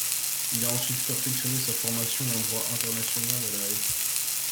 Il a ensuite perfectionné sa formation en droit international à La Haye.